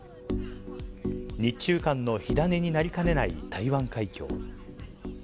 日中間の火種になりかねない台湾海峡。